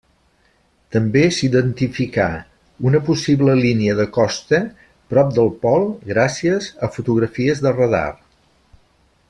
També s'identificà una possible línia de costa prop del pol gràcies a fotografies de radar.